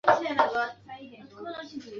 盟军对其为兰迪。